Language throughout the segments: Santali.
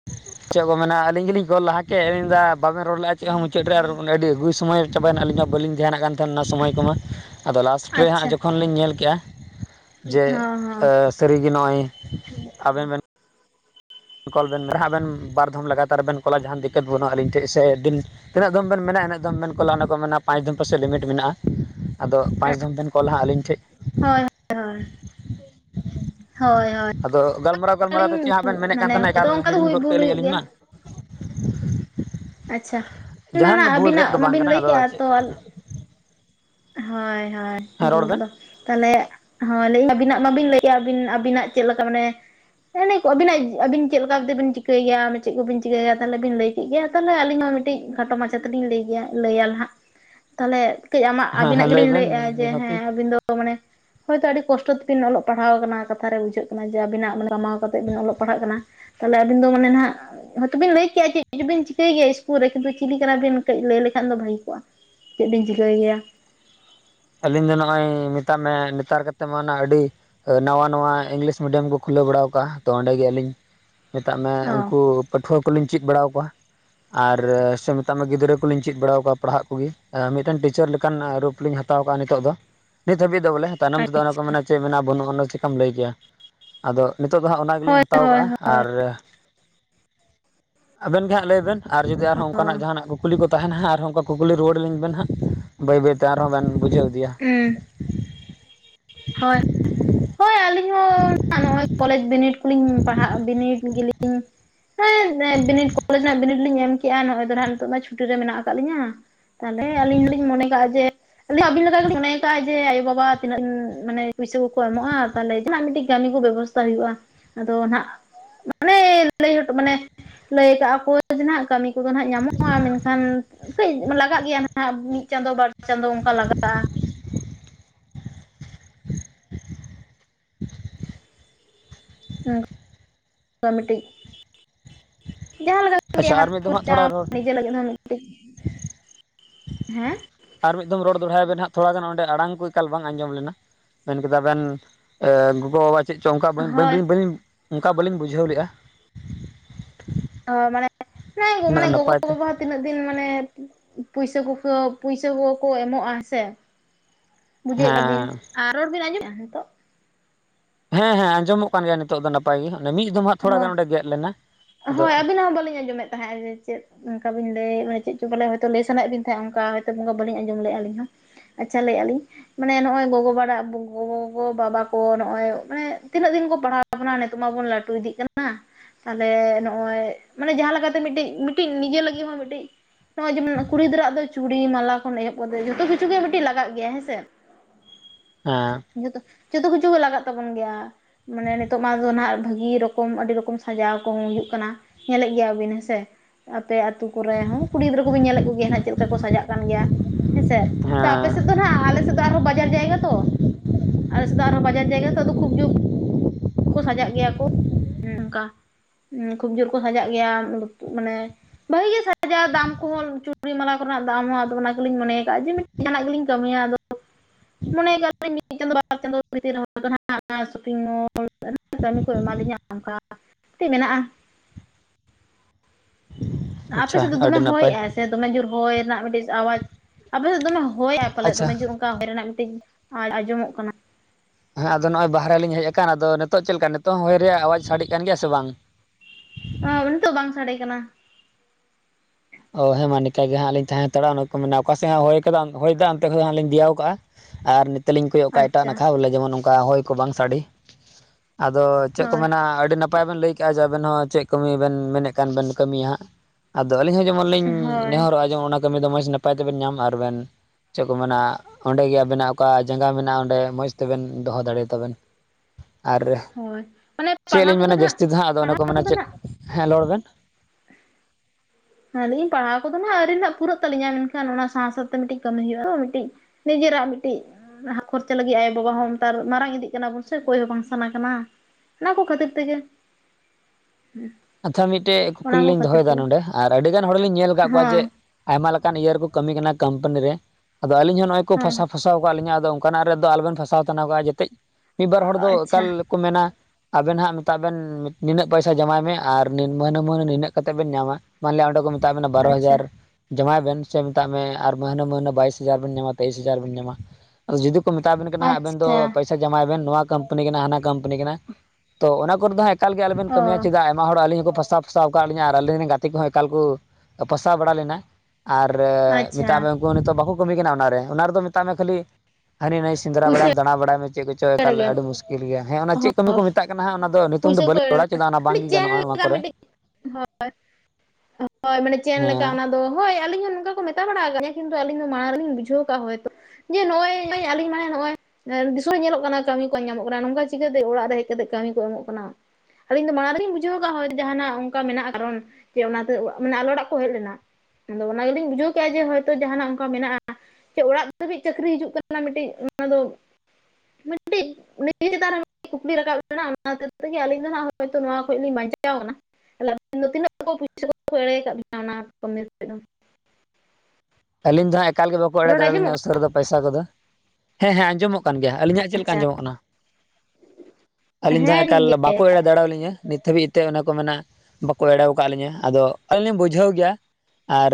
[unintelligible] ᱪᱮᱜ ᱠᱚ ᱢᱮᱱᱟ ᱟᱹᱞᱤᱧ ᱜᱮᱞᱤᱧ ᱠᱚᱞ ᱞᱟᱦᱟ ᱠᱮᱫ, ᱢᱮᱱ ᱮᱫᱟ ᱵᱟᱵᱮᱱ ᱨᱚᱲ ᱞᱮᱫᱼᱟ ᱪᱮᱫ ᱦᱚᱸ ᱢᱩᱪᱟᱹᱫᱽ ᱨᱮ ᱟᱨ ᱟᱹᱰᱤ ᱟᱹᱜᱩᱭ ᱥᱚᱢᱚᱭ ᱪᱟᱵᱟᱭᱮᱱᱟ ᱟᱹᱞᱤᱧ ᱢᱟ ᱵᱟᱹᱞᱤᱧ ᱫᱷᱮᱭᱟᱱᱟᱜ ᱠᱟᱱ ᱛᱟᱦᱮᱸᱱᱟ ᱥᱚᱢᱚᱭ ᱠᱚᱢᱟ, ᱟᱫᱚ ᱞᱟᱥᱴ ᱨᱮ ᱦᱟᱸᱜ ᱟᱪᱪᱷᱟ ᱡᱚᱠᱷᱚᱱ ᱞᱤᱧ ᱧᱮᱞ ᱠᱮᱜᱼᱟ, ᱡᱮ ᱦᱚᱸ ᱥᱟᱹᱨᱤᱜ ᱮ ᱱᱚᱜᱼᱚᱭ ᱟᱵᱮᱱ ᱵᱮᱱ ᱠᱚᱞ ᱵᱮᱱ [inaudible] ᱟᱵᱮᱱ ᱵᱟᱨᱫᱷᱚᱢ ᱞᱟᱜᱟᱨ ᱨᱮᱵᱮᱱ ᱠᱚᱞᱟ ᱡᱟᱦᱟᱸᱱ ᱫᱤᱠᱠᱟᱹᱛ ᱵᱟᱹᱱᱩᱜᱼᱟ ᱟᱹᱞᱤᱧ ᱴᱷᱮᱱ ᱥᱮ ᱫᱤᱱ ᱛᱤᱱᱟᱹᱜ ᱫᱷᱚᱢ ᱵᱮᱱ ᱢᱮᱱᱟ ᱤᱱᱟᱹᱜ ᱫᱚᱢ ᱵᱮᱱ ᱠᱚᱞᱟ ᱚᱱᱟ ᱠᱚ ᱢᱮᱱᱟ ᱯᱟᱸᱪ ᱫᱷᱚᱢ ᱯᱟᱥᱮᱡ ᱞᱤᱢᱤᱴ ᱢᱮᱱᱟᱜᱼᱟ᱾ ᱟᱫᱚ ᱯᱟᱸᱪ ᱦᱚᱸ ᱫᱷᱚᱢ ᱵᱮᱱ ᱠᱚᱞᱟ ᱦᱟᱸᱜ ᱟᱹᱞᱤᱧ ᱴᱷᱮᱡ ᱾ ᱦᱳᱭ ᱦᱳᱭ ᱾ ᱟᱫᱚ ᱜᱟᱞᱢᱟᱨᱟᱣ ᱜᱟᱞᱢᱟᱨᱟᱣ ᱫᱚ ᱟᱹᱞᱤᱧ ᱪᱮᱫ ᱦᱟᱸᱜ ᱵᱮᱱ ᱢᱮᱱᱮᱫ ᱠᱟᱱ ᱢᱟᱱᱮ ᱛᱟᱦᱮᱸᱱᱟ ᱦᱚᱭᱛᱚ ᱮᱠᱟᱞ ᱚᱱᱠᱟ ᱫᱚ ᱦᱤᱲᱤᱧ ᱦᱩᱭ ᱜᱚᱫ ᱵᱷᱩᱞ ᱠᱮᱫ ᱞᱤᱧ ᱦᱩᱭᱩᱜ ᱟᱹᱞᱤᱧ ᱜᱮᱭᱟ ᱢᱟ᱾ ᱟᱪᱪᱷᱟ ᱡᱟᱦᱟᱸᱱ ᱢᱟ ᱵᱷᱩᱞ ᱨᱮᱭᱟᱜ ᱟᱹᱵᱤᱱᱟᱜ ᱫᱚ ᱵᱟᱝ ᱢᱟᱵᱤᱱ ᱠᱟᱱᱟ ᱞᱟᱹᱭ ᱟᱫᱚ ᱠᱮᱜᱼᱟ ᱪᱮᱜ ᱛᱚ ᱦᱳᱭ ᱦᱳᱭ ᱦᱮᱸ ᱨᱚᱲ ᱵᱷᱩᱞ [inaudible] ᱵᱮᱱ ᱟᱫᱚ ᱛᱟᱦᱚᱞᱮ ᱦᱳᱭ ᱞᱟᱹᱭᱮᱜ ᱟᱹᱧ ᱟᱹᱵᱤᱱᱟᱜ ᱢᱟᱵᱤᱱ ᱞᱟᱹᱭ ᱠᱮᱜᱼᱟ ᱟᱵᱤᱱ ᱟᱵᱤᱱᱟᱜ ᱪᱮᱫ ᱞᱮᱠᱟ ᱢᱟᱱᱮ [unintelligible] ᱠᱚ ᱟᱹᱵᱤᱱᱟᱜ ᱟᱹᱵᱤᱱ ᱪᱮᱫ ᱞᱮᱠᱟ ᱛᱮ ᱵᱮᱱ ᱪᱤᱠᱟᱹᱭᱟ ᱜᱮᱭᱟ, ᱚᱱᱮ ᱪᱮᱫ ᱠᱚᱵᱤᱱ ᱪᱤᱠᱟᱹᱭᱟᱹ ᱛᱟᱦᱚᱞᱮ ᱵᱤᱱ ᱞᱟᱹᱭ ᱴᱷᱤᱠ ᱜᱮᱭᱟ ᱛᱟᱦᱚᱞᱮ ᱟᱞᱤᱧ ᱦᱚᱸ ᱢᱤᱫᱴᱤᱡ ᱠᱷᱟᱴᱚ ᱢᱟᱪᱷᱟ ᱛᱮᱞᱤᱧ ᱞᱟᱹᱭ ᱜᱮᱭᱟ ᱞᱟᱹᱭᱟ ᱦᱟᱸᱜ᱾ ᱛᱟᱦᱚᱞᱮ ᱠᱟᱹᱡ ᱟᱢᱟᱜ ᱦᱮᱸ ᱟᱵᱤᱱᱟᱜ ᱦᱮᱸ ᱞᱟᱹᱭ ᱜᱮᱞᱤᱧ ᱵᱮᱱ ᱞᱟᱹᱭᱮᱜ-ᱟ ᱡᱮ ᱱᱤᱦᱟᱹᱛᱤ ᱦᱮᱸ ᱟᱹᱵᱤᱱ ᱫᱚ ᱢᱟᱱᱮ ᱦᱚᱭᱛᱚ ᱟᱹᱰᱤ ᱠᱚᱥᱴᱚ ᱛᱮᱵᱤᱱ ᱚᱞᱚᱜ ᱯᱟᱲᱦᱟᱣ ᱠᱟᱱᱟ ᱠᱟᱛᱷᱟ ᱨᱮ ᱵᱩᱡᱷᱟᱹᱜ ᱠᱟᱱᱟ ᱡᱮ ᱟᱹᱵᱤᱱᱟᱜ ᱠᱟᱢᱟᱣ ᱠᱟᱛᱮᱫ ᱵᱤᱱ ᱚᱞᱚᱜ ᱯᱟᱲᱦᱟᱜ ᱠᱟᱱᱟ᱾ ᱛᱟᱦᱚᱞᱮ ᱟᱹᱵᱤᱱ ᱫᱚ ᱢᱟᱱᱮ ᱱᱟᱜ ᱦᱚᱭᱛᱚ ᱵᱤᱱ ᱞᱟᱹᱭ ᱠᱮᱜᱼᱟ ᱪᱮᱫ ᱵᱤᱱ ᱪᱤᱠᱟᱹᱭ ᱜᱮᱭᱟ ᱤᱥᱠᱩᱞ ᱨᱮ ᱠᱤᱱᱛᱩ ᱪᱤᱞᱤ ᱠᱟᱱᱟ ᱵᱤᱱ ᱠᱟᱹᱡ ᱞᱟᱹᱭ ᱞᱮᱠᱷᱟᱱ ᱫᱚ ᱵᱷᱟᱹᱜᱤ ᱠᱚᱜᱼᱟ᱾ ᱪᱮᱫ ᱵᱤᱧ ᱪᱤᱠᱟᱹᱭ ᱜᱮᱭᱟ? ᱟᱹᱞᱤᱧ ᱫᱚ ᱱᱚᱜᱼᱚᱭ ᱢᱮᱛᱟᱜ ᱢᱮ ᱱᱮᱛᱟᱨ ᱠᱟᱛᱮᱫ ᱢᱟ ᱚᱱᱟ ᱟᱹᱰᱤ ᱱᱟᱣᱟ ᱱᱟᱣᱟ ᱤᱝᱞᱤᱥ ᱢᱤᱰᱤᱭᱟᱢ ᱠᱚ ᱠᱷᱩᱞᱟᱹᱣ ᱵᱟᱲᱟ ᱟᱠᱟᱜᱼᱟ ᱛᱚ ᱚᱸᱰᱮ ᱜᱮ ᱟᱹᱞᱤᱧ ᱢᱮᱛᱟᱜ ᱢᱮ ᱚ ᱩᱱᱠᱩ ᱯᱟᱹᱴᱷᱩᱣᱟᱹ ᱠᱚᱞᱤᱧ ᱪᱮᱫ ᱵᱟᱲᱟ ᱟᱠᱚᱣᱟ᱾ ᱟᱨ ᱥᱮ ᱢᱮᱛᱟᱜ ᱢᱮ ᱜᱤᱫᱽᱨᱟᱹ ᱠᱚᱞᱤᱧ ᱪᱮᱫ ᱵᱟᱲᱟ ᱠᱚᱣᱟ ᱯᱟᱲᱦᱟᱜ ᱠᱚᱜᱮ ᱢᱤᱫᱴᱮᱱ ᱴᱤᱪᱟᱨ ᱞᱮᱠᱟᱱ ᱨᱩᱯ ᱞᱤᱧ ᱦᱟᱛᱟᱣ ᱠᱟᱜᱼᱟ ᱱᱤᱛᱚᱜ ᱫᱚ ᱱᱤᱛ ᱦᱟᱹᱵᱤᱡ ᱫᱚ ᱵᱚᱞᱮ ᱛᱟᱭᱱᱚᱢ ᱛᱮᱫᱚ ᱠᱚ ᱢᱮᱱᱼᱟ ᱪᱮᱫ ᱢᱮᱱᱟᱜᱼᱟ ᱵᱟᱹᱱᱩᱜᱼᱟ ᱚᱱᱟ ᱪᱮᱠᱟᱢ ᱞᱟᱹᱭ ᱠᱮᱭᱟ᱾ ᱟᱫᱚ ᱱᱤᱛᱚᱜ ᱫᱚ ᱦᱟᱸᱜ ᱚᱱᱟ ᱜᱮᱞᱤᱧ ᱦᱳᱭ ᱦᱟᱛᱟᱣ ᱦᱳᱭ ᱠᱟᱜᱼᱟ ᱟᱨ ᱟᱵᱮᱱ ᱜᱮ ᱦᱟᱸᱜ ᱞᱟᱹᱭ ᱵᱮᱱ? ᱟᱨ ᱡᱩᱫᱤ ᱟᱨᱦᱚᱸ ᱚᱱᱠᱟᱱᱟᱜ ᱡᱟᱦᱟᱸᱱᱟᱜ ᱠᱩᱠᱞᱤ ᱠᱚ ᱛᱟᱦᱮᱸᱱᱟ ᱦᱟᱸᱜ ᱟᱨᱦᱚᱸ ᱚᱱᱠᱟ ᱠᱩᱠᱞᱤ ᱨᱩᱣᱟᱹᱲ ᱟᱹᱞᱤᱧ ᱵᱮᱱ ᱦᱟᱸᱜ ᱵᱟᱹᱭ ᱵᱟᱹᱭᱛᱮ ᱟᱨᱦᱚᱸ ᱵᱮᱱ ᱵᱩᱡᱷᱟᱹᱣ ᱤᱫᱤᱭᱟ᱾ ᱦᱩᱸ [inaudible] ᱤᱭᱟ ᱱᱟᱜ ᱱᱚᱜᱼᱚᱭ ᱠᱚᱞᱮᱡᱽ ᱵᱤᱱᱤᱰ ᱠᱚᱞᱤᱧ ᱯᱟᱲᱦᱟᱜ ᱵᱤᱱᱤᱰ ᱜᱮᱞᱤᱧ ᱦᱮᱸ ᱵᱤᱱᱤᱰ ᱠᱚᱞᱮᱡᱽ ᱨᱮᱱᱟᱜ ᱵᱤᱱᱤᱰ ᱞᱤᱧ ᱮᱢ ᱠᱮᱜᱼᱟ ᱱᱚᱜᱚᱭ ᱦᱟᱸᱜ ᱱᱤᱛᱚᱜ ᱫᱚ ᱪᱷᱩᱴᱤ ᱨᱮ ᱢᱮᱱᱟᱜ ᱟᱠᱟᱫ ᱞᱤᱧᱟ᱾ ᱛᱟᱦᱚᱞᱮ ᱟᱹᱞᱤᱧ ᱦᱚᱸᱞᱤᱧ ᱢᱚᱱᱮ ᱠᱟᱜᱼᱟ ᱡᱮ, ᱟᱹᱞᱤᱧ ᱟᱹᱵᱤᱱ ᱞᱮᱠᱟᱜᱮ ᱢᱚᱱᱮ ᱠᱟᱭ ᱡᱮ ᱟᱭᱳ-ᱵᱟᱵᱟ ᱛᱤᱱᱟᱹᱜ ᱢᱟᱱᱮ ᱯᱩᱭᱥᱟᱹ ᱮᱢᱚᱜᱼᱟ ᱛᱟᱦᱚᱞᱮ ᱡᱟᱦᱱᱟᱜ ᱢᱤᱫᱴᱤᱡ ᱠᱟᱹᱢᱤ ᱠᱚ ᱵᱮᱵᱚᱥᱛᱷᱟ ᱦᱩᱭᱩᱜᱼᱟ᱾ ᱟᱫᱚ ᱱᱟᱜ ᱢᱟᱱᱮ ᱞᱟᱹᱭ ᱦᱚᱴᱚ ᱢᱟᱱᱮ ᱞᱟᱹᱭ ᱠᱟᱜ ᱟᱠᱚ ᱢᱚᱡᱽ [unintelligible] ᱱᱟᱦᱟᱜ ᱠᱟᱹᱢᱤ ᱠᱚᱫᱚ ᱱᱟᱦᱟᱜ ᱧᱟᱢᱚᱜᱼᱟ ᱢᱮᱱᱠᱷᱟᱱ ᱠᱟᱹᱡ ᱞᱟᱜᱟᱜ ᱜᱮᱭᱟ ᱱᱟᱦᱟᱜ ᱢᱤᱫ ᱪᱟᱸᱫᱳ ᱵᱟᱨ ᱪᱟᱸᱫᱳ ᱚᱱᱠᱟ ᱞᱟᱜᱟᱜᱼᱟ᱾ ᱦᱩᱸ ᱢᱤᱫᱴᱤᱡ ᱡᱟᱦᱟᱸ ᱞᱮᱠᱟ [unintelligible] ᱟᱪᱪᱷᱟ ᱨᱮᱭᱟᱜ ᱟᱨ ᱦᱟᱫ ᱢᱤᱫ ᱫᱚᱢ ᱦᱟᱸᱜ ᱠᱷᱚᱨᱪᱟ ᱛᱷᱚᱲᱟ ᱨᱚᱲ ᱱᱤᱡᱮ ᱞᱟᱹᱜᱤᱫ ᱫᱚᱴᱤᱡ [inaudible] ᱦᱮᱸ᱾ ᱟᱨ ᱢᱤᱫ ᱫᱚᱢ ᱨᱚᱲ ᱫᱚᱲᱚᱦᱟᱭ ᱵᱮᱱ ᱦᱟᱸᱜ ᱛᱷᱚᱲᱟ ᱜᱟᱱ ᱚᱸᱰᱮ ᱟᱲᱟᱝ ᱠᱚ ᱮᱠᱟᱞ ᱵᱟᱝ ᱟᱸᱡᱚᱢ ᱞᱮᱱᱟ᱾ ᱢᱮᱱ ᱠᱮᱫᱟ ᱵᱮᱱ ᱜᱚᱜᱚ-ᱵᱟᱵᱟ ᱪᱮᱫ ᱪᱚᱝᱸᱚᱱᱠᱟ ᱦᱳᱭ [unintelligible] ᱚᱱᱠᱟ ᱵᱟᱹᱞᱤᱧ ᱵᱩᱡᱷᱟᱹᱣ ᱞᱮᱜᱼᱟ᱾ ᱦᱚ [unintelligible] ᱢᱟᱱᱮ ᱩᱱᱟᱹᱜ ᱢᱟᱱᱮ ᱱᱟᱯᱟᱭ ᱛᱮ ᱜᱚᱜᱚ-ᱵᱟᱵᱟ ᱛᱤᱱᱟᱹᱜ ᱫᱤᱱ ᱢᱟᱱᱮ ᱯᱩᱭᱥᱟᱹ ᱠᱚᱠᱚ ᱯᱩᱭᱥᱟᱹ ᱠᱚᱠᱚ ᱮᱢᱚᱜᱼᱟ ᱦᱮᱸᱥᱮ᱾ ᱵᱩᱡᱷᱟᱹᱣᱮᱫ [unintelligible] ᱟᱹᱵᱤᱱ ᱦᱮᱸ ᱟᱨ ᱨᱚᱲ ᱵᱤᱱ ᱟᱸᱡᱚᱢᱮᱫᱼᱟ ᱱᱤᱛᱚᱜ᱾ ᱦᱮᱸ ᱦᱮᱸ ᱟᱸᱡᱚᱢᱚᱜ ᱠᱟᱱ ᱜᱮᱭᱟ ᱱᱤᱛᱚᱜ ᱫᱚ ᱱᱟᱯᱟᱭ ᱜᱮ ᱦᱟᱸᱜ ᱱᱮ ᱢᱤᱫ ᱫᱚᱢ ᱦᱟᱸᱜ ᱛᱷᱚᱲᱟ ᱜᱟᱱ ᱚᱸᱰᱮ ᱜᱮᱫ ᱞᱮᱱᱟ ᱦᱚ ᱟᱫᱚ ᱦᱳᱭ ᱟᱹᱵᱤᱱᱟᱜ ᱦᱚᱸ ᱵᱟᱹᱞᱤᱧ ᱟᱸᱡᱚᱢᱮᱫ ᱛᱟᱦᱮᱸᱫ ᱡᱮ ᱪᱮᱫ ᱚᱱᱠᱟ ᱵᱤᱱ ᱞᱟᱹᱭᱮᱫ ᱢᱟᱱᱮ ᱪᱮᱫ ᱪᱚ ᱯᱟᱞᱮ ᱦᱚᱭᱛᱚ ᱞᱟᱹᱭ ᱥᱟᱱᱟᱭᱮᱫ ᱵᱱ ᱛᱟᱦᱮᱸᱜ ᱚᱝᱠᱟ ᱦᱚᱭᱛᱚ [unintelligible] ᱵᱟᱹᱞᱤᱧ ᱟᱸᱚᱢ ᱞᱮᱜ ᱟᱹᱞᱤᱧ ᱦᱚᱸ ᱟᱪᱪᱷᱟ ᱞᱮᱜᱼᱟᱞᱤᱧ ᱢᱟᱱᱮ ᱱᱚᱜ ᱚᱭ ᱜᱚᱜᱚ ᱵᱟ ᱲᱟ ᱟᱵᱚ ᱜᱚᱜᱚ ᱠᱚ ᱵᱟᱵᱟ ᱠᱚ ᱱᱚᱜᱼᱚᱭ ᱢᱟᱱᱮ ᱛᱤᱱᱟᱹᱜ ᱫᱤᱱ ᱠᱚ ᱯᱟᱲᱦᱟ ᱟᱵᱚᱱᱟ ᱱᱤᱛᱚᱜ ᱢᱟ ᱵᱚᱱ ᱞᱟᱹᱴᱩ ᱤᱫᱤᱜ [unintelligible] ᱛᱟᱦᱞᱮ ᱱᱚᱜᱼᱚᱭ ᱢᱟᱱᱮ ᱡᱟᱦᱟᱸ ᱞᱮᱠᱟᱛᱮ ᱢᱤᱫᱴᱤᱡ ᱢᱤᱫᱴᱤᱡ ᱱᱤᱡᱮ ᱞᱟᱹᱜᱤᱫ ᱦᱚᱸ ᱢᱤᱫᱴᱤᱡ ᱱᱚᱜᱼᱚᱭ ᱡᱮᱢᱚᱱ ᱠᱩᱲᱤ ᱜᱤᱫᱽᱨᱟᱜ ᱫᱚ ᱪᱩᱲᱤ ᱢᱟᱞᱟ ᱠᱷᱚᱱ ᱮᱦᱚᱵ ᱠᱟᱛᱮ ᱡᱚᱛᱚ ᱠᱤᱪᱷᱩ ᱜᱮ ᱢᱤᱫᱴᱤᱡ ᱞᱟᱜᱟᱜ ᱜᱮᱭᱟ ᱦᱮᱸᱥᱮ [inaudible] ᱦᱮᱸ ᱡᱚᱛᱚ ᱡᱚᱛᱚ ᱠᱤᱪᱷᱩ ᱜᱮ ᱞᱟᱜᱟᱜ ᱛᱟᱵᱚᱱ ᱜᱮᱭᱟ ᱢᱟᱱᱮ ᱱᱤᱛᱚᱜ ᱢᱟ ᱫᱚ ᱱᱟᱜ ᱵᱷᱟᱹᱜᱤ ᱨᱚ ᱠᱚᱢ ᱟᱹᱰᱤ ᱨᱚᱠᱚᱢ ᱥᱟᱡᱟᱣ ᱠᱚᱦᱚᱸ ᱦᱩᱭᱩᱜ ᱠᱟᱱᱟ ᱧᱮᱞᱮᱫ ᱜᱮᱭᱟ ᱵᱤᱱ ᱦᱮᱸᱥᱮ ᱟᱛᱮ ᱟᱛᱩ ᱠᱚᱨᱮ ᱦᱚᱸ ᱠᱩᱲᱤ ᱜᱤᱫᱽᱨᱟᱹ ᱠᱚᱵᱤᱱ ᱧᱮᱞᱮᱜ ᱠᱚᱜᱮᱭᱟ ᱦᱟᱸᱜ ᱪᱮᱞᱠᱟ ᱠᱚ ᱥᱟᱡᱟᱜ ᱠᱟᱱ ᱜᱮᱭᱟ ᱦᱮᱸᱥᱮ ᱛᱚ ᱟᱯᱮ ᱥᱮᱫ ᱫᱚ ᱦᱮᱸ ᱱᱟᱸᱦ ᱟᱞᱮ ᱥ ᱥᱮᱫ ᱫᱚ ᱟᱨᱦᱚᱸ ᱵᱟᱡᱟᱨ ᱡᱟᱭᱜᱟ ᱛᱚ ᱟᱞᱮ ᱥᱮᱫ ᱫᱚ ᱟᱨᱦᱚᱸ ᱵᱟᱡᱟᱨ ᱡᱟᱭᱜᱟ ᱛᱚ ᱟᱫᱚ ᱠᱷᱩᱵ ᱡᱩᱠ ᱠᱚ ᱥᱟᱡᱟᱜ ᱜᱮᱭᱟ ᱠᱚ ᱱᱚᱝᱠᱟ ᱦᱩ ᱠᱷᱩᱵ ᱡᱳᱨ ᱠᱚ ᱥᱟᱡᱟᱜ ᱜᱮᱭᱟ ᱢᱟᱱᱮ ᱵᱷᱟᱜᱤ ᱜᱮ ᱥᱟᱡᱼᱟ ᱫᱟᱢ ᱠᱚᱦᱚᱸ ᱪᱩᱲᱤ ᱢᱟᱞᱟ ᱠᱚᱨᱮᱱᱟᱜ ᱫᱟᱢ ᱦᱚᱸ ᱟᱫᱚ ᱚᱱᱟ ᱜᱮᱞᱤᱧ ᱢᱚᱱᱮᱭ ᱠᱟᱜ-ᱟ ᱡᱮ ᱢᱤᱫ ᱡᱟᱦᱟᱱᱟᱜ ᱜᱮᱞᱤᱧ ᱠᱟᱹᱢᱤᱭᱟ ᱟᱫᱚ ᱢᱚᱱᱮ ᱠᱟᱜ ᱞᱤᱧ ᱢᱤᱫ ᱪᱟᱸᱫᱚ ᱵᱟᱨ ᱪᱟᱸᱫᱚ ᱵᱷᱤᱛᱤᱨ ᱨᱮ ᱦᱚᱭᱛᱚ ᱱᱟᱦ [inaudible] ᱥᱚᱯᱤᱝ ᱢᱚᱞ [inaudible] [inaudible] ᱠᱟᱹᱢᱤ ᱠᱚ ᱮᱢᱟᱞᱤᱧᱟ ᱚᱱᱠᱟ ᱛᱮᱜ ᱢᱮᱱᱟᱜᱼᱟ ᱟᱯᱮ ᱟᱪᱪᱷᱟ ᱥᱮᱫ ᱫᱚ ᱫᱚᱢᱮ ᱟᱹᱰᱤ ᱦᱚᱭ ᱱᱟᱯᱟᱭ ᱟᱭ ᱥᱮᱫ ᱫᱚᱢᱮ ᱡᱩᱨ ᱦᱚᱭ ᱨᱮᱱᱟᱜ ᱢᱤᱫᱴᱤᱡ ᱟᱣᱟᱡᱽ ᱟᱯᱮᱥᱮᱫ ᱫᱚᱢᱮ ᱦᱚᱭᱽ ᱟᱭ ᱯᱟᱞᱮᱫ ᱟᱪᱪᱷᱟ ᱫᱚᱢᱮ ᱡᱩᱨ ᱚᱝ ᱠᱟ ᱦᱚᱭ ᱨᱮᱱᱟᱜ ᱢᱤᱫᱴᱤᱱ ᱟ-ᱟᱸᱡᱚᱢᱚᱜ ᱠᱟᱱᱟ ᱦᱮᱸ ᱟᱫᱚ ᱱᱚᱜ ᱚᱭ ᱵᱟᱦᱨᱮ ᱞᱤᱧ ᱦᱮᱡ ᱟᱠᱟᱱ ᱟᱫᱚ ᱱᱤᱛᱚᱜ ᱪᱮᱞᱠᱟ ᱱᱤᱛᱚᱜ ᱦᱚᱸᱭ ᱨᱮᱭᱟᱜ ᱟᱣᱟᱡ ᱥᱟᱰᱮᱜ ᱠᱟᱱ ᱜᱮᱭᱟ ᱥᱮ ᱵᱟᱝ ᱟᱸᱻ ᱩᱱᱤᱛᱚᱜ ᱵᱟᱝ ᱥᱟᱰᱮ ᱠᱟᱱᱟ ᱚ ᱦᱮᱸ ᱢᱟ ᱱᱤᱠᱟᱭ ᱜᱮ ᱦᱟᱸᱜ ᱞᱤᱧ ᱛᱟᱦᱮᱸ ᱦᱟᱛᱟᱲᱚᱜᱼᱟ ᱚᱱᱟ ᱠᱚ ᱢᱮᱱᱟ ᱚᱠᱟᱥᱮᱫ ᱦᱟᱸᱜ ᱦᱚᱭ ᱠᱟᱫᱟ ᱚᱱ ᱦᱛᱭ ᱫᱟ ᱚᱱᱛᱮ ᱠᱷᱚᱪ ᱦᱟᱸᱜ ᱞᱤᱧ ᱫᱮᱭᱟᱣ ᱠᱟᱜᱼᱟ ᱟᱨ ᱱᱤᱛᱮ ᱞᱤᱧ ᱠᱚᱭᱚᱜᱼᱟ ᱠᱟ ᱮᱴᱟᱜ ᱟᱪᱪᱷᱟ ᱱᱟᱠᱷᱟ ᱚᱞᱮ ᱡᱮᱢᱚᱱ ᱱᱚᱝᱠᱟ ᱦᱚᱭ ᱠᱚ ᱵᱟᱝ ᱥᱟᱰᱮ ᱟᱫᱚ ᱪᱮᱜ ᱠᱚ ᱦᱳᱭ ᱢᱮᱱᱟ ᱟᱹᱰᱤ ᱱᱟᱯ ᱯᱟᱭ ᱵᱮᱱ ᱞᱟᱹᱭ ᱠᱟᱜᱼᱟ ᱡᱮ ᱟᱵᱮᱱ ᱦᱚᱸ ᱪᱮᱜ ᱠᱟᱹᱢᱤ ᱵᱮᱱ ᱢᱮᱱᱮᱜ ᱠᱷᱟᱱ ᱵᱮᱱ ᱠᱟᱹᱢᱤᱭᱟ ᱦᱟᱸᱜ ᱟᱫᱚ ᱟᱞᱤᱧ ᱦᱚᱸ ᱦᱚᱸ ᱞᱤᱧ ᱦᱳᱭ ᱱᱮᱦᱚᱨᱚᱜᱼᱟ ᱡᱮ ᱚᱱᱟ ᱠᱟᱹᱢᱤ ᱫᱚ ᱢᱚᱡᱽ ᱱᱟᱯᱟᱭ ᱛᱮᱵᱮᱱ ᱧᱟᱢ ᱟᱨ ᱵᱮᱱ ᱪᱮᱜ ᱠᱚ ᱢᱮᱱᱟ ᱟ ᱚᱸᱰᱮ ᱜᱮ ᱟᱵᱮᱱᱟᱜ ᱚᱠᱟ ᱡᱟᱸᱜᱟ ᱢᱮᱱᱟᱜᱼᱟ ᱚᱸᱰᱮ ᱢᱚᱡᱽ ᱛᱮ ᱵᱮᱱ ᱫᱚᱦᱚ ᱫᱟᱲᱮ ᱛᱟᱵᱮᱱ ᱟᱨ ᱦᱳᱭ ᱢᱟᱱᱮ ᱪᱮᱜ ᱯᱟᱲᱦᱟᱣ ᱞᱤᱧ ᱠᱚᱫᱚ ᱢᱮᱱᱟ ᱱᱟᱜ ᱡᱟᱹᱥᱛᱤ ᱫᱚ ᱦᱟᱸᱜ ᱟᱫᱚ ᱚᱱᱮ ᱠᱚ ᱯᱟᱲᱦᱟᱣ ᱢᱮᱱᱟ ᱠᱚᱫᱚ ᱪᱮᱫ ᱱᱟᱜ ᱦᱮᱸ ᱞᱚᱲ ᱵᱮᱱ ᱟᱸ ᱞᱮᱜ ᱤᱧ ᱯᱟᱲᱦᱟᱣ ᱠᱚᱫᱚ ᱱᱟᱸᱦ ᱟᱹᱨᱤ ᱱᱟᱸᱦ ᱯᱩᱨᱟᱹᱜ ᱛᱟᱹᱞᱤᱧᱟ ᱢᱮᱱᱠᱷᱟᱱ ᱚᱱᱟ ᱥᱟᱶ ᱥᱟᱶᱛᱮ ᱢᱤᱜᱴᱤᱡ ᱠᱟᱹᱢᱤ ᱦᱩᱭᱩᱜᱼᱟ ᱛᱚ ᱢᱤᱜᱴᱤᱡ ᱱᱤᱡᱮᱨᱟᱜ ᱢᱤᱜᱴᱤᱡ ᱱᱟ ᱦᱟᱛ ᱠᱷᱚᱨᱪᱟ ᱞᱟᱹᱜᱤᱫ ᱟᱭᱳ ᱵᱟᱵᱟ ᱦᱚᱸ ᱱᱮᱛᱟᱨ ᱢᱟᱨᱟᱝ ᱤᱫᱤᱜ ᱠᱟᱱᱟ ᱵᱚᱱ ᱥᱮ ᱠᱚᱭ ᱦᱚᱸ ᱵᱟᱝ ᱥᱟᱱᱟ ᱠᱟᱱᱟ ᱚᱱᱟ ᱠᱚ ᱠᱷᱟᱹᱛᱤᱨ ᱛᱮᱜᱮ ᱦᱩᱸᱜ-ᱩ ᱟᱪᱪᱷᱟ ᱢᱤᱫᱴᱮᱡ ᱠᱩᱠᱞᱤᱞᱤᱧ ᱫᱚᱦᱚᱭ ᱫᱟ ᱱᱚᱰᱮ ᱟᱨ ᱟᱹᱰᱤ ᱜᱟᱱ ᱦᱚᱲ ᱞᱤᱧ ᱧᱮᱞ ᱠᱟᱜ ᱠᱚᱣᱟ ᱡᱮ ᱦᱮᱸ ᱟᱭᱢᱟ ᱞᱮᱠᱟᱱ ᱤᱭᱟᱹ ᱨᱮᱠᱚ ᱠᱟᱹᱢᱤ ᱠᱟᱱᱟ ᱠᱟᱢᱯᱟᱱᱤ ᱨᱮ ᱟᱫᱚ ᱟᱹᱞᱤᱧ ᱦᱚᱸ ᱱᱚᱜᱼᱚᱭ ᱠᱚ ᱦᱮᱸ ᱯᱷᱟᱥᱟ ᱯᱷᱟᱥᱟᱣ ᱠᱟᱜ ᱞᱤᱧᱟ ᱟᱫᱚ ᱚᱝ ᱠᱟᱱᱟᱜ ᱨᱮᱫᱚ ᱟᱞᱚᱵᱮᱱ ᱯᱷᱟᱥᱟᱣ ᱛᱟᱦᱮ ᱱᱚ ᱜᱚᱜᱼᱟ ᱡᱮᱛᱮᱡᱽ ᱢᱤᱫ ᱵᱟᱨ ᱦᱚᱲ ᱫᱚ ᱮᱠᱟᱞ ᱟᱪᱪᱷᱟ ᱠᱚ ᱢᱮᱱᱟ ᱟᱵᱮᱱ ᱦᱟᱸᱜ ᱢᱮᱛᱟᱜ ᱵᱮᱱ ᱱᱤᱱᱟᱹᱜ ᱯᱚᱭᱥᱟ ᱡᱟᱟᱭ ᱢᱮ ᱟᱨ ᱱᱤᱱ ᱢᱟᱹᱱᱟᱹ ᱢᱟᱹᱱ ᱱᱤᱱᱟᱹᱜ ᱠᱟᱛᱮᱜ ᱵᱮᱱ ᱧᱟᱢᱟ ᱢᱟᱱ ᱞᱮ ᱚᱸᱰᱮ ᱠᱚ ᱢᱮᱛᱟᱜ ᱵᱮᱱᱟ ᱵᱟᱨᱳ ᱟᱪᱪᱷᱟ ᱦᱟᱡᱟᱨ ᱡᱟᱢᱟᱭ ᱵᱮᱱ ᱥᱮ ᱢᱮᱛᱟᱜ ᱢᱮ ᱟᱨ ᱢᱟᱹᱦᱱᱟᱹ ᱢᱟᱹᱦᱱᱟᱹ ᱵᱟᱭᱤᱥ ᱦᱟᱡᱟᱨ ᱵᱮᱱ ᱧᱟᱢᱟ ᱛᱮᱭᱤᱥ ᱦᱟᱡᱟᱨ ᱵᱮᱱ ᱧᱟᱢᱟ ᱡᱩᱫᱤ ᱠᱚ ᱢᱮᱛᱟ ᱵᱮᱱ ᱠᱟᱱᱟ ᱦᱟᱸᱜ ᱟᱵᱮᱱ ᱟᱪᱪᱷᱟ ᱫᱚ ᱯᱚᱭᱥᱟ ᱡᱟᱢᱟᱭ ᱵᱮᱱ ᱱᱚᱣᱟ ᱠᱟᱢᱯᱟᱱᱤ ᱜᱮ ᱱᱟᱦ ᱦᱟᱱᱟ ᱠᱟᱢ ᱯᱟᱱᱤ ᱠᱟᱱᱟ ᱛᱚ ᱚᱱᱟ ᱠᱚᱨᱮ ᱫᱚ ᱦᱟᱸᱜ ᱮᱠᱟᱞ ᱜᱮ ᱟᱞᱚᱵᱮᱱ ᱠᱟᱹᱢᱤᱭᱟ ᱚ ᱪᱮᱫᱟᱜ ᱟᱭ ᱟᱭᱢᱟ ᱦᱚᱲ ᱟᱹᱞᱤᱧ ᱦᱚᱸ ᱠᱚ ᱯᱟᱥᱟᱣ ᱯᱟᱥᱟᱣ ᱠᱟᱜ ᱞᱤᱧᱟ ᱟᱨ ᱟᱹᱞᱤᱧ ᱨᱮᱱ ᱜᱟᱛᱮ ᱠᱚᱦᱚᱸ ᱮᱠᱟᱞ ᱠᱚ ᱯᱟᱥᱟᱣ ᱵᱟᱲᱟ ᱞᱮᱱᱟ᱾ ᱟᱨ ᱟᱪᱪᱷᱟ ᱢᱮᱛᱟᱜ ᱢᱮ ᱩᱱᱠᱩ ᱦᱚᱸ ᱱᱤᱛᱚᱜ ᱵᱟᱠᱚ ᱠᱟᱹᱢᱤ ᱠᱟᱱᱟ ᱚᱱᱟᱨᱮ ᱚᱱᱟ ᱨᱮᱫᱚ ᱢᱮᱛᱟᱜ ᱢᱮ ᱠᱷᱟᱹᱞᱤ ᱦᱟᱹᱱᱤ ᱱᱟᱹᱭ ᱥ ᱤᱱᱨᱟ ᱵᱟᱲᱟᱢ ᱯᱩᱭᱥᱟᱹ ᱫᱟᱬᱟ ᱵᱟᱰᱟᱭ ᱢᱮ ᱪᱮᱫ ᱠᱚ ᱪᱚ ᱮᱠᱟᱞᱮ ᱮᱲᱮᱜᱮ ᱟᱹᱰᱤ ᱢᱩᱥᱠᱤᱞ ᱜᱮᱭᱟ ᱦᱮᱸ ᱚᱱᱟ ᱦᱚᱸ ᱪᱮᱜ ᱠᱟᱹᱢᱤ ᱠᱚ ᱢᱮᱛᱟᱜ ᱠᱟᱱᱟ ᱦᱟᱸᱜ ᱚᱱᱟᱫᱚ ᱱᱩᱛᱩᱢ ᱫᱚ ᱯᱩᱭᱥᱟᱹ ᱠᱚ ᱵᱟᱹᱞᱤᱧ ᱮᱲᱮ ᱨᱚᱲᱟ ᱪᱮᱫᱟᱜ ᱚᱱᱟ ᱵᱟᱝ ᱜᱤ ᱢᱤᱫᱴᱤᱡ ᱪᱮᱱ ᱞᱮᱠᱟ ᱢᱤᱫᱴᱤᱡ ᱦᱳᱭ ᱦᱳᱭ ᱢᱟᱱᱮ ᱪᱮᱱ ᱞᱮᱠᱟ ᱦᱮᱸ ᱚᱱᱟ ᱫᱚ ᱚ ᱦᱳᱭ ᱟᱹᱞᱤᱧ ᱦᱚᱸ ᱱᱚᱝᱠᱟ ᱠᱚ ᱢᱮᱛᱟ ᱵᱟᱲᱟ ᱠᱟᱜ ᱞᱤᱧᱟ ᱠᱤᱱᱛᱩ ᱟᱞᱤᱧ ᱫᱚ ᱢᱟᱲᱟᱝ ᱨᱮᱞᱤᱧ ᱵᱩᱷᱟᱹᱣ ᱠᱟᱜ-ᱟ ᱦᱚᱭ ᱛᱚ ᱡᱮ ᱱᱚᱜᱼᱚᱭ ᱱᱚᱜᱼᱚᱭ ᱟᱞᱤᱧ ᱢᱟᱱᱮ ᱱᱚᱜᱼᱚᱭ ᱱᱚᱜᱼᱚᱭ ᱧᱮᱞᱚᱜ ᱠᱟᱱᱟ ᱠᱟᱹᱢᱤ ᱠᱚ ᱧᱟᱢᱚᱜ ᱠᱟᱱᱟ ᱱᱚᱝᱠᱟ ᱪᱤᱠᱟᱹᱛᱮ ᱚᱲᱟᱜ ᱨᱮ ᱦᱮᱡ ᱠᱟᱛᱮ ᱠᱟᱹᱢᱤ ᱠᱚ ᱮᱢᱚᱜ ᱠᱟᱱᱟ? ᱟᱞᱤᱧ ᱫᱚ ᱢᱟᱲᱟᱝ ᱨᱮᱜᱤᱧ ᱵᱩᱡᱷᱟᱹᱣ ᱠᱟᱜᱼᱟ ᱦᱚᱭᱛᱚ ᱡᱟᱦᱟᱱᱟᱜ ᱚᱱᱠᱟ ᱢᱮᱱᱟᱜᱼᱟ ᱠᱟᱨᱚᱱ ᱡᱮ ᱚᱱᱟᱛᱮ ᱢᱟᱱᱮ ᱟᱞᱚ ᱚᱲᱟᱜ ᱠᱚ ᱦᱮᱡ ᱞᱮᱱᱟ᱾ᱟᱫᱚ ᱚᱱᱟ ᱜᱮᱞᱤᱧ ᱵᱩᱡᱷᱟᱹᱣ ᱠᱮᱜᱼᱟ ᱡᱮ ᱦᱚᱭᱛᱚ ᱡᱟᱦᱟᱱᱟᱜ ᱚᱱᱠᱟ ᱢᱮᱱᱟᱜᱼᱟ ᱥᱮ ᱚᱲᱟᱜ ᱫᱷᱟᱹᱵᱤᱡ ᱪᱟᱹᱠᱷᱨᱤ ᱦᱤᱡᱩᱜ ᱛᱟᱹᱵᱤᱱᱟ ᱢᱤᱫᱴᱤᱡ ᱚᱱᱟ ᱫᱚ ᱢᱤᱫᱴᱤᱡ ᱩᱱᱤ ᱪᱮᱛᱟᱱ ᱨᱮ ᱠᱩᱠᱞᱤ ᱨᱟᱠᱟᱵ ᱞᱮᱱᱟ ᱚᱱᱟ ᱠᱷᱟᱹᱛᱤᱨ ᱛᱮᱜᱮ ᱟᱹᱞᱤᱧ ᱫᱚ ᱦᱟᱸᱜ ᱦᱚᱭᱛᱚ ᱱᱚᱣᱟ ᱠᱷᱚᱡ ᱞᱤᱧ ᱵᱟᱧᱪᱟᱣ ᱠᱟᱱᱟ ᱛᱟᱦᱞᱮ ᱟᱹᱵᱤᱱ ᱫᱚ ᱛᱤᱱᱟᱹᱜ ᱯᱩᱭᱥᱟ ᱠᱚ ᱮᱲᱮ ᱠᱟᱜ ᱵᱤᱱᱟ ᱚᱱᱟ ᱠᱟᱹᱢᱤ ᱛᱮᱫᱚ? ᱟᱹᱞᱤᱧ ᱫᱚ ᱦᱟᱸᱜ ᱮᱠᱟᱞ ᱜᱮ ᱵᱟᱠᱚ ᱮᱲᱮ ᱨᱚᱲ ᱫᱟᱲᱮ ᱟᱸᱡᱚᱢᱚᱜ ᱟᱹᱞᱤᱧᱟ ᱩᱥᱟᱹᱨᱟ ᱫᱚ ᱯᱟᱭᱥᱟ ᱠᱚᱫᱚ᱾ ᱦᱮᱸ ᱦᱮ ᱟᱸᱡᱚᱢᱚᱜ ᱠᱟᱱ ᱜᱮᱭᱟ ᱟᱹᱞᱤᱧᱟᱜ ᱪᱮᱫ ᱞᱮᱠᱟ ᱟᱸᱡᱚᱢᱚᱜ ᱠᱟᱱᱟ? ᱠᱟᱱᱟ ᱟᱹᱞᱤᱧ ᱫᱚ ᱦᱟᱸᱜ ᱦᱮᱸ ᱮᱠᱟᱞ ᱴᱷᱤᱠ ᱜᱮᱭᱟ ᱵᱟᱠᱚ ᱮᱲᱮ ᱫᱟᱲᱮᱣ ᱟᱹᱞᱤᱧᱟ ᱱᱤᱛ ᱦᱟᱹᱵᱤᱡ ᱛᱮ ᱚᱱᱟ ᱠᱚ ᱢᱮᱱᱟ ᱵᱟᱠᱚ ᱮᱲᱮᱣ ᱠᱟᱜ ᱞᱤᱧᱟᱹ ᱟᱫᱚ ᱟᱹᱞᱤᱧ ᱞᱤᱧ ᱵᱩᱡᱷᱟᱹᱣ ᱜᱮᱭᱟ᱾ ᱟᱨ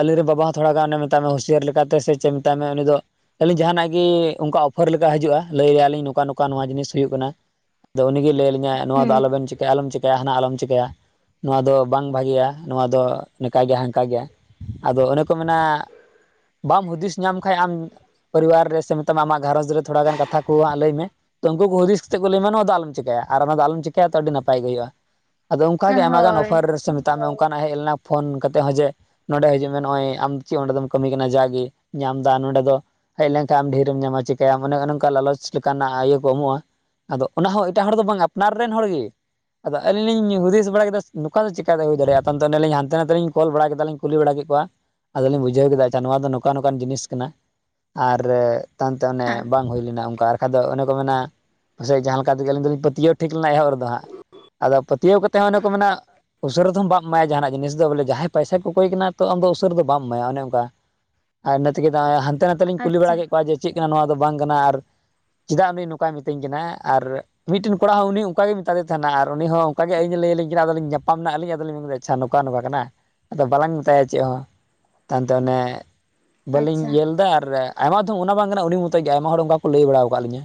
ᱟᱹᱞᱤᱧᱨᱮ ᱵᱟᱵᱟ ᱦᱚᱸ ᱛᱷᱚᱲᱟ ᱜᱟᱱ ᱮ ᱢᱮᱛᱟ ᱢᱮ ᱦᱩᱥᱭᱟᱹᱨ ᱞᱮᱠᱟᱛᱮ ᱥᱮ ᱪᱮᱫ ᱢᱮᱛᱟᱭ ᱢᱮ ᱩᱱᱤ ᱫᱚ ᱟᱹᱞᱤᱧ ᱡᱟᱦᱟᱸᱱᱟᱜ ᱜᱤ ᱚᱝᱠᱟ ᱚᱯᱷᱚᱨ ᱞᱮᱠᱟ ᱦᱤᱡᱩᱜᱼᱟ ᱞᱟᱹᱭ ᱟᱭᱟᱞᱤᱧ ᱱᱚᱝᱠᱟ ᱱᱚᱝᱠᱟ ᱱᱚᱣᱟ ᱡᱤᱱᱤᱥ ᱦᱩᱭᱩᱜ ᱠᱟᱱᱟ ᱟᱫᱚ ᱩᱱᱤᱜᱮ ᱞᱟᱹᱭ ᱟᱞᱤᱧᱟᱭ ᱱᱚᱣᱟ ᱫᱚ ᱦᱩᱸ ᱟᱞᱚᱵᱮᱱ ᱪᱤᱠᱟᱹᱭᱟ ᱟᱞᱚᱢ ᱪᱤᱠᱟᱹᱭᱟ ᱦᱟᱱᱟ ᱟᱞᱚᱢ ᱪᱤᱠᱟᱹᱭᱟ ᱱᱚᱣᱟ ᱫᱚ ᱵᱟᱝ ᱵᱷᱟᱜᱤᱭᱟ ᱱᱚᱣᱟ ᱫᱚ ᱱᱤᱠᱟᱭ ᱜᱮᱭᱟ ᱦᱟᱱᱠᱟᱭ ᱜᱮᱭᱟ ᱟᱫᱚ ᱚᱱᱮ ᱠᱚ ᱢᱮᱱᱟ ᱵᱟᱢ ᱦᱩᱫᱤᱥ ᱧᱟᱢ ᱠᱷᱟᱡ ᱟᱢ ᱯᱚᱨᱤᱵᱟᱨ ᱨᱮ ᱥᱮ ᱟᱢᱟᱜ ᱜᱷᱟᱨᱚᱡᱽ ᱨᱮ ᱛᱷᱚᱲᱟ ᱜᱟᱱ ᱠᱟᱛᱷᱟ ᱠᱩ ᱦᱟᱸᱜ ᱞᱟᱹᱭ ᱢᱮ ᱛᱚ ᱩᱱᱠᱩ ᱦᱩᱫᱤᱥ ᱠᱟᱛᱮ ᱠᱚ ᱞᱟᱹᱭᱟᱢᱟ ᱱᱚᱣᱟ ᱫᱚ ᱟᱞᱚᱢ ᱪᱮᱸᱠᱟᱭᱟ ᱟᱨ ᱚᱱᱟ ᱫᱚ ᱟᱞᱚᱢ ᱪᱮᱠᱟᱭᱟ ᱛᱚ ᱟᱹᱰᱤ ᱱᱟᱯᱟᱭ ᱜᱮ ᱦᱩᱭᱩᱜᱼᱟ᱾ ᱟᱫᱚ ᱚᱱᱠᱟ ᱜᱮ ᱟᱭᱢᱟ ᱜᱟᱱ ᱦᱳᱭ ᱚᱯᱷᱟᱨ ᱥᱮ ᱢᱮᱛᱟᱜ ᱢᱮ ᱚᱱᱠᱟᱱᱟᱜ ᱦᱮᱡ ᱞᱮᱱᱟ ᱯᱷᱳᱱ ᱠᱟᱛᱮᱜ ᱦᱚᱸ ᱡᱮ ᱱᱚᱰᱮ ᱦᱤᱡᱩᱜ ᱢᱮ ᱱᱚᱜᱚᱭ ᱟᱢ ᱪᱤᱫ ᱚᱸᱰᱮ ᱫᱚᱢ ᱠᱟᱹᱢᱤ ᱠᱟᱱᱟ ᱡᱟᱜᱮ ᱧᱟᱢ ᱫᱟ ᱱᱚᱰᱮ ᱫᱚ ᱦᱮᱡ ᱞᱮᱱᱠᱷᱟᱱ ᱟᱢ ᱰᱷᱮᱨᱮᱢ ᱧᱟᱢᱟ ᱪᱤᱠᱟᱭᱟᱢ ᱚᱱᱮ ᱚᱝᱠᱟ ᱞᱟᱞᱚᱪ ᱞᱮᱠᱟᱱᱟᱜ ᱟᱭᱩ ᱠᱚ ᱮᱢᱚᱜᱼᱟ ᱟᱫᱚ ᱚᱱᱟ ᱦᱚᱸ ᱮᱴᱟᱜ ᱦᱚᱲ ᱫᱚ ᱵᱟᱝᱟ ᱟᱯᱱᱟᱨ ᱨᱮᱱ ᱦᱚᱲ ᱜᱤ ᱟᱫᱚ ᱟᱹᱞᱤᱧ ᱞᱤᱧ ᱦᱩᱫᱤᱥ ᱵᱟᱲᱟ ᱠᱮᱫᱟ ᱱᱚᱝᱠᱟ ᱫᱚ ᱪᱮᱠᱟᱛᱮ ᱦᱩᱭ ᱫᱟᱲᱮᱭᱟᱜᱼᱟ ᱛᱟᱱᱛᱚ ᱟᱹᱞᱤᱧ ᱦᱟᱱᱛᱮ ᱱᱟᱛᱮᱞᱤᱧ ᱠᱚᱞ ᱵᱟᱲᱟ ᱠᱮᱫᱟᱤᱧ ᱠᱩᱞᱤ ᱵᱟᱲᱟ ᱠᱮᱫ ᱠᱚᱣᱟ ᱟᱫᱚᱞᱤᱧ ᱵᱩᱡᱷᱟᱹᱣ ᱠᱮᱫᱟ ᱟᱪᱪᱷᱟ ᱱᱚᱣᱟ ᱫᱚ ᱱᱚᱝᱠᱟ ᱱᱚᱝᱠᱟᱱ ᱡᱤᱱᱤᱥ ᱠᱟᱱᱟ ᱟᱨ ᱛᱟᱱ ᱛᱮ ᱚᱱᱮ ᱵᱟᱝ ᱦᱩᱭ ᱞᱮᱱᱟ ᱚᱱᱠᱟ ᱠᱟᱫᱚ ᱚᱱᱮ ᱠᱚ ᱢᱮᱱᱟ ᱯᱟᱥᱮᱡ ᱡᱟᱦᱟᱸ ᱞᱮᱠᱟ ᱛᱮᱜᱮ ᱟᱹᱞᱤᱧ ᱫᱚᱞᱤᱧ ᱯᱟᱹᱛᱭᱟᱹᱣ ᱴᱷᱤᱠ ᱞᱮᱱᱟ ᱮᱦᱚᱵ ᱨᱮᱫᱚ ᱦᱟᱸᱜ ᱟᱫᱚ ᱯᱟᱹᱛᱭᱟᱹᱣ ᱠᱟᱛᱮ ᱦᱚᱸ ᱚᱱᱮ ᱠᱚ ᱢᱮᱱᱟ᱾ ᱩᱥᱟᱹᱨᱟ ᱫᱚᱢ ᱵᱟᱢ ᱮᱢᱟᱭᱟ ᱡᱟᱦᱟᱱᱟᱜ ᱡᱤᱱᱤᱥ ᱫᱚ ᱵᱚᱞᱮ ᱡᱟᱦᱟᱸᱭ ᱯᱟᱭᱥᱟᱭ ᱠᱚᱠᱚᱭ ᱠᱟᱱᱟ ᱛᱚ ᱟᱢ ᱩᱥᱟᱹᱨᱟ ᱫᱚ ᱵᱟᱢ ᱮᱢᱟᱭᱟ ᱚᱱᱮ ᱚᱱᱠᱟ ᱟᱨ ᱤᱱᱟ ᱛᱮᱜᱮ ᱱᱚᱜᱼᱚᱭ ᱦᱟᱱᱛᱮ ᱱᱟᱛᱮ ᱞᱤᱧ ᱠᱩᱞᱤ ᱵᱟᱲᱟ ᱟᱪᱪᱷᱟ ᱠᱮᱜ ᱠᱚᱣᱟ ᱡᱮ ᱪᱮᱜ ᱠᱟᱱᱟ ᱱᱚᱣᱟ ᱫᱚ ᱵᱟᱝ ᱠᱟᱱᱟ ᱟᱨ ᱪᱤᱫᱟᱜ ᱩᱱᱤ ᱱᱚᱝᱠᱟᱭ ᱢᱤᱛᱟᱹᱧ ᱠᱟᱱᱟ ᱟᱨ ᱢᱤᱫᱴᱮᱱ ᱠᱚᱲᱟ ᱦᱚᱸ ᱩᱱᱤ ᱚᱱᱠᱟ ᱜᱮ ᱢᱮᱛᱟᱫᱮ ᱛᱟᱦᱮᱱᱟ ᱟᱨ ᱩᱱᱤ ᱦᱚᱸ ᱚᱱᱠᱟ ᱜᱮ ᱟᱹᱞᱤᱧ ᱞᱟᱹᱭ ᱟᱹᱞᱤᱧ ᱠᱟᱱᱟ ᱟᱫᱚ ᱞᱤᱧ ᱧᱟᱯᱟᱢ ᱱᱟ ᱟᱹᱞᱤᱧ ᱟᱫᱚᱞᱤᱧ ᱢᱮᱱ ᱟᱪᱪᱷᱟ ᱱᱚᱝᱠᱟ ᱱᱚᱝᱠᱟ ᱠᱟᱱᱟ ᱟᱫᱚ ᱵᱟᱞᱟᱝ ᱢᱤᱛᱟᱭᱟ ᱪᱮᱫ ᱦᱚᱸ ᱛᱟᱭᱚᱢᱛᱮ ᱚᱱᱮ ᱵᱟᱹᱞᱤᱧ ᱟᱪᱪᱷᱟ ᱤᱭᱟᱹ ᱮᱫᱟ ᱟᱨ ᱟᱭᱢᱟ ᱫᱷᱚᱢ ᱚᱱᱟ ᱵᱟᱝ ᱠᱟᱱᱟ ᱩᱱᱤ ᱢᱚᱛᱚᱭ ᱜᱮ ᱟᱭᱢᱟ ᱦᱚᱲ ᱚᱱᱠᱟ ᱠᱚ ᱞᱟᱹᱭ ᱵᱟᱲᱟᱣ ᱠᱟᱜ ᱞᱤᱧᱟᱹ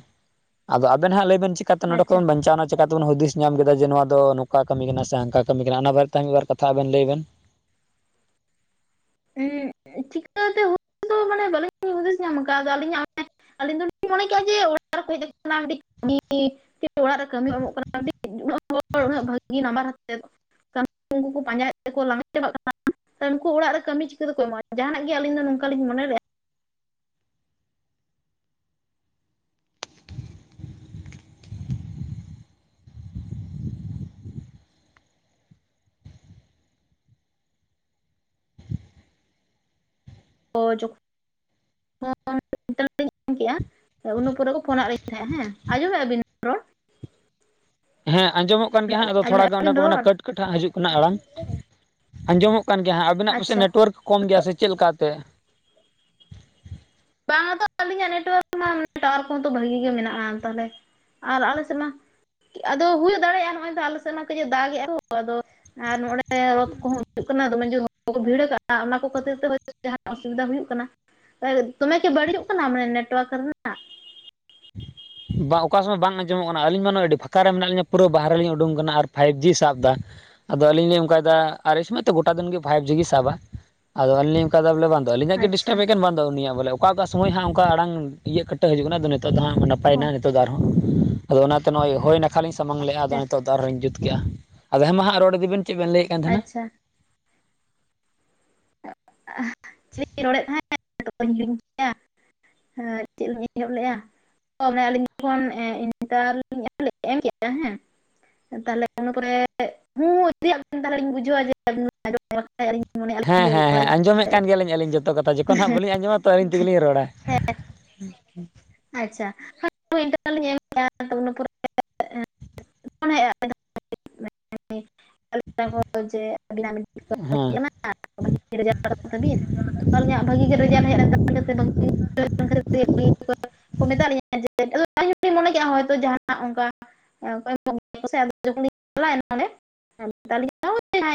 ᱟᱫᱚ ᱟᱵᱮᱱ ᱦᱟᱸᱜ ᱞᱟᱹᱭᱵᱮᱱ ᱪᱤᱜ ᱠᱟᱛᱮ ᱱᱚᱸᱰᱮ ᱟᱪᱪᱷᱟ ᱠᱷᱚᱱ ᱵᱟᱧᱪᱟᱣᱱᱟ᱾ ᱪᱮᱠᱟᱛᱮᱵᱮᱱ ᱦᱩᱫᱤᱥ ᱧᱟᱢ ᱠᱮᱫᱟ ᱡᱮ ᱱᱚᱣᱟ ᱫᱚ ᱱᱚᱝᱠᱟ ᱠᱟᱹᱢᱤ ᱠᱟᱱᱟ ᱥᱮ ᱦᱟᱝᱠᱟ ᱠᱟᱹᱢᱤ ᱠᱟᱱᱟ ᱚᱱᱟ ᱵᱟᱨᱮᱛᱮ ᱢᱤᱫᱵᱟᱨ ᱠᱟᱛᱷᱟ ᱟᱵᱮᱱ ᱞᱟᱹᱭ ᱵᱮᱱ? ᱦᱮᱸ ᱪᱤᱠᱟᱹᱛᱮ ᱦᱩᱫᱤᱥ ᱫᱚ ᱢᱟᱱᱮ ᱵᱟᱹᱞᱤᱧ ᱦᱩᱫᱤᱥ ᱧᱟᱢ ᱠᱟᱜᱼᱟ ᱟᱫᱚ ᱟᱹᱞᱤᱧᱟᱜ ᱚᱱᱮ ᱟᱹᱞᱤᱧ ᱫᱚ ᱞᱤᱧ ᱢᱚᱱᱮ ᱠᱮᱜᱼᱟ ᱡᱮ ᱚᱲᱟᱜ ᱨᱮᱠᱚ ᱦᱮᱡ ᱠᱟᱱᱟ ᱢᱤᱫᱴᱤᱡ ᱠᱟᱹᱢᱤ ᱚᱲᱟᱜ ᱨᱮ ᱠᱟᱹᱢᱤ ᱮᱢᱚᱜ ᱠᱟᱱᱟ ᱢᱤᱫᱴᱤᱡ ᱩᱱᱟᱹᱜ ᱦᱚᱲ ᱩᱱᱟᱹᱜ ᱵᱷᱟᱹᱜᱤ ᱱᱟᱢᱵᱟᱨᱟᱛᱮᱫ ᱱᱟᱢᱵᱟᱨ ᱠᱚᱠᱩ ᱯᱟᱸᱡᱟᱭ ᱛᱮ ᱠᱚ ᱞᱟᱸᱜᱟ ᱪᱟᱵᱟᱜ ᱠᱟᱱᱟ ᱩᱱᱠᱩ ᱚᱲᱟᱜ ᱨᱮ ᱠᱟᱹᱢᱤ ᱪᱤᱠᱟᱹ ᱛᱮᱠᱚ ᱮᱢᱚᱜᱼᱟ ᱡᱟᱦᱟᱱᱟᱜ ᱜᱤ ᱟᱹᱞᱤᱧ ᱫᱚ ᱱᱚᱝᱠᱟᱞᱤᱧ ᱢᱚᱱᱮ ᱞᱮᱜᱼᱟ ᱡᱚᱠᱷᱚᱱᱮᱛ ᱞᱮ ᱧ ᱠᱮᱜᱼᱟ [unintelligible] ᱦᱮᱸ ᱩᱱᱟᱹᱜ ᱯᱚᱨᱮ ᱠᱚ ᱯᱷᱳᱱ ᱟᱜ ᱞᱤᱧ ᱛᱟᱦᱮᱸᱜᱟ ᱦᱮᱸ ᱟᱸᱡᱚᱢᱮᱜᱼᱟ ᱵᱤᱱ ᱨᱚᱲ ᱦᱮᱸ ᱟᱸᱡᱚᱢᱚᱜ ᱠᱟᱱ ᱜᱮᱭᱟ ᱦᱟᱸᱜ ᱟᱫᱚ ᱟᱸᱡᱚᱢᱮᱫᱼᱟ ᱛᱷᱚᱲᱟᱜᱟᱱ ᱚᱱᱮ ᱵᱤᱱ ᱠᱚ ᱢᱮᱱᱼᱟ ᱨᱚᱲ ᱠᱟᱹᱴ ᱠᱟᱹᱴ ᱦᱟᱸᱜ ᱦᱤᱡᱩᱜ ᱠᱟᱱᱟ ᱟᱲᱟᱝ ᱟᱸᱡᱚᱢᱚᱜ ᱠᱟᱱ ᱜᱮᱭᱟ ᱦᱟᱸᱜ ᱟᱵᱤᱱᱟᱜ ᱯᱟᱥᱮᱡ ᱟᱪᱪᱷᱟ ᱱᱮᱴᱳᱣᱟᱨᱠ ᱠᱚᱢ ᱜᱮᱭᱟ ᱥᱮ ᱪᱮᱫ ᱞᱮᱠᱟᱛᱮ ᱵᱟᱝ ᱟᱛᱚ ᱟᱞᱤᱧᱟᱜ ᱱᱮᱴᱣᱟᱨᱠ ᱢᱟ ᱴᱟᱣᱟᱨ ᱠᱚᱦᱚᱸ ᱛᱚ ᱵᱷᱟᱹᱜᱤ ᱜᱮ ᱢᱮᱱᱟᱜᱼᱟ ᱛᱟᱦᱞᱮ ᱟᱨ ᱟᱞᱮ ᱥᱮᱜ ᱢᱟ ᱟᱫᱚ ᱦᱩᱭ ᱫᱟᱲᱮᱭᱟᱜᱼᱟ ᱱᱚᱜᱼᱚᱭ ᱛ ᱟᱞᱮ ᱥᱮᱫ ᱢᱟ ᱠᱟᱹᱡᱮ ᱫᱟᱜᱮᱜᱼᱟ ᱛᱚ ᱟᱫᱚ ᱟᱨ ᱱᱚᱜᱚᱰᱮ ᱨᱚᱛᱷ ᱠᱚᱦᱚᱸ ᱦᱩᱭᱩᱜ ᱠᱟᱱᱟ ᱫᱚᱢᱮ ᱡᱳᱨ ᱦᱚᱲᱠᱚ ᱵᱷᱤᱲ ᱠᱟᱜᱼᱟ ᱚᱱᱟ ᱠᱚ ᱠᱷᱟᱹᱛᱤᱨ ᱛᱮ ᱦᱳᱭ ᱛᱚ ᱡᱟᱦᱟᱱᱟᱜ ᱚᱥᱩᱵᱤᱫᱷᱟ ᱦᱩᱭᱩᱜ ᱠᱟᱱᱟ ᱫᱚᱢᱮ ᱠᱤ ᱵᱟᱹᱲᱤᱡ ᱠᱟᱱᱟ ᱢᱟᱱᱮ ᱱᱮᱴᱳᱣᱟᱨᱠ ᱨᱮᱱᱟᱜ [inaudible] ᱵᱟᱝ ᱚᱠᱟ ᱥᱚᱢᱚᱭ ᱵᱟᱝ ᱟᱸᱡᱚᱢᱚᱜ ᱠᱟᱱᱟ ᱟᱹᱞᱤᱧ ᱢᱟ ᱟᱹᱰᱤ ᱯᱷᱟᱸᱠᱟ ᱨᱮ ᱢᱮᱱᱟᱜ ᱞᱤᱧᱟᱹ ᱯᱩᱨᱟᱹ ᱵᱟᱦᱨᱮ ᱞᱤᱧ ᱩᱰᱩᱝ ᱠᱟᱱᱟ ᱟᱨ ᱯᱷᱟᱭᱤᱵᱽ ᱡᱤ ᱥᱟᱵ ᱫᱟ ᱟᱫᱚ ᱟᱹᱞᱤᱧ ᱞᱤᱧ ᱚᱱᱠᱟᱭᱮᱫᱟ ᱟᱨ ᱥᱟᱹᱭ ᱛᱚ ᱜᱚᱴᱟ ᱫᱤᱱ ᱜᱮ ᱯᱷᱟᱭᱤᱵᱽ ᱡᱤ ᱜᱤᱭ ᱥᱟᱵᱟ᱾ ᱟᱫᱚ ᱟᱹᱞᱤᱧ ᱞᱤᱧ ᱚᱱᱠᱟᱭ ᱫᱟ ᱵᱚᱞᱮ ᱵᱟᱝ ᱫᱚ ᱟᱹᱞᱤᱧᱟᱜ ᱜᱮ ᱟᱪᱪᱷᱟ ᱰᱤᱥᱴᱟᱵ ᱮᱫ ᱠᱟᱱ ᱵᱟᱝ ᱫᱚ ᱩᱱᱤᱭᱟᱜ ᱵᱚᱞᱮ? ᱚᱠᱟ ᱚᱠᱟ ᱥᱚᱢᱚᱭ ᱦᱟᱸᱜ ᱚᱱᱠᱟ ᱟᱲᱟᱝ ᱤᱭᱟᱹᱜ ᱠᱟᱹᱴᱟᱹᱜ ᱦᱤᱡᱩᱜ ᱠᱟᱱᱟ ᱟᱫᱚ ᱱᱤᱛᱚᱜ ᱫᱚ ᱦᱟᱸᱜ ᱱᱟᱯᱟᱭᱮᱱᱟ ᱦᱚᱸ ᱱᱤᱛᱚᱜ ᱫᱚ ᱟᱨᱦᱚᱸ ᱟᱫᱚ ᱚᱱᱟᱛᱮ ᱱᱚᱜᱼᱚᱭ ᱦᱚᱭ ᱱᱟᱠᱷᱟᱞᱤᱧ ᱥᱟᱢᱟᱝ ᱞᱮᱫᱼᱟ ᱟᱫᱚ ᱟᱪᱪᱷᱟ ᱱᱤᱛᱚᱜ ᱫᱚ ᱟᱨᱦᱚ ᱞᱤᱧ ᱡᱩᱛ ᱠᱮᱫᱼᱟ ᱟᱫᱚ ᱦᱮ ᱢᱟ ᱦᱟᱸᱜ ᱨᱚᱲ ᱤᱫᱤ ᱵᱮᱱ ᱪᱮᱫ ᱵᱮᱱ ᱞᱟᱹᱭᱮᱫ ᱠᱟᱱ ᱛᱟᱦᱮᱱᱟ ᱟᱪᱪᱷᱟ ᱪᱮᱫ ᱤᱧ ᱨᱚᱲ ᱮᱫ ᱛᱟᱦᱮᱱ ᱡᱷᱚᱛᱚ ᱤᱧ ᱦᱤᱲᱤᱧ ᱠᱮᱜ-ᱟ ᱪᱮᱫ ᱞᱤᱧ ᱮᱦᱚᱵ ᱞᱮᱫᱟ᱾ ᱟᱞᱤᱧ ᱡᱚᱠᱷᱚᱱ ᱤᱱᱴᱟᱨ ᱞᱤᱧ ᱮᱢ ᱠᱮᱫᱟ ᱦᱮ ᱛᱟᱦᱞᱮ ᱤᱱᱟ ᱯᱚᱨᱮ ᱦᱩᱸ ᱛᱮᱭᱟᱜ ᱛᱟᱦᱮᱞᱮ ᱞᱤᱧ ᱵᱩᱡᱷᱟᱣᱼᱟ ᱡᱮ [unintelligible] ᱦᱮᱸ ᱮᱠᱞᱟ ᱜᱮ ᱦᱮᱸᱟᱸᱡᱚᱢᱮᱫ ᱠᱟᱱ ᱜᱮᱭᱟᱞᱤᱧ ᱟᱹᱞᱤᱧ ᱡᱚᱛᱚ ᱠᱟᱛᱷᱟ ᱡᱚᱠᱷᱚᱱ ᱦᱟᱸᱜ ᱵᱟᱹᱞᱤᱧ ᱟᱸᱡᱚᱢᱟ ᱛᱚ ᱟᱹᱞᱤᱧ ᱛᱮᱜᱮᱞᱤᱧ ᱨᱚᱲᱟ᱾ ᱦᱮᱸ [unintelligible] ᱟᱪᱪᱷᱟ ᱤᱱᱴᱟᱨ ᱦᱮᱸ [unintelligible] [unintelligible] [unintelligible] [unintelligible] ᱟᱞᱤᱧᱟᱜ ᱵᱷᱟᱜᱤ ᱜᱮ ᱨᱮᱡᱟᱞ ᱦᱮᱡ ᱞᱮᱱ [inaudible] [unintelligible] ᱦᱚᱭ ᱛᱚ ᱡᱟᱦᱟᱱᱟᱜ ᱚᱱᱠᱟ [unintelligible]